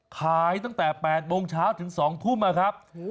ขายตั้งแต่๘โมงเช้าถึง๒ทุ่มนะครับ